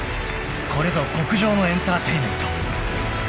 ［これぞ極上のエンターテインメント］